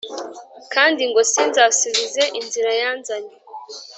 kandi ngo sinzasubize inzira yanzanye”